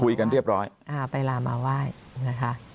เรียบร้อยอ่าไปลามาไหว้นะคะ